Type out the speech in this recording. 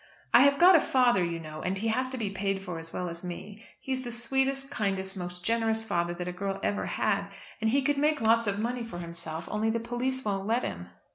"I have got a father, you know, and he has to be paid for as well as me. He is the sweetest, kindest, most generous father that a girl ever had, and he could make lots of money for himself, only the police won't let him."